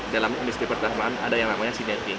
dalam industri pertahanan ada yang namanya sinetin